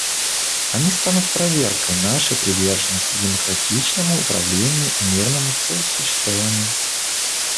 Они станут проверкой нашей приверженности демократическому управлению и мирному сосуществованию.